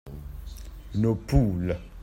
Nos poules.